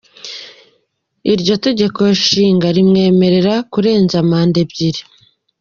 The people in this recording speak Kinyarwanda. Iryo tegekonshinga rimwemerera kurenza manda ebyiri.